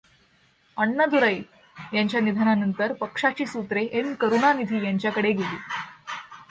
अण्णादुराई यांच्या निधनानंतर पक्षाची सूत्रे एम. करुणानिधी यांच्याकडे गेली.